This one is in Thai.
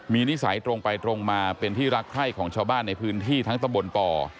มีนิสัยตรงไปตรงมาเป็นที่รักใคร่ของชาวบ้านในพื้นที่ทั้งตะบนป่อ